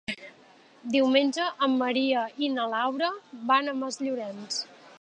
Diumenge en Maria i na Laura van a Masllorenç.